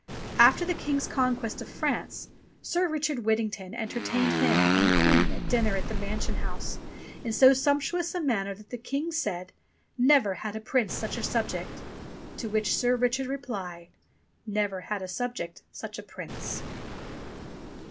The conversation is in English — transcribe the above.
After the King's conquest of France, Sir Richard Whit tington entertained him and the Queen at dinner at the Mansion House in so sumptuous a manner that the King said, "Never had Prince such a subject!" To which Sir Richard replied, "Never had subject such a Prince."